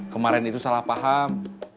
kemarin itu salah paham